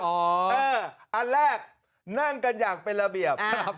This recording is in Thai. อันแรกนั่งกันอย่างเป็นระเบียบ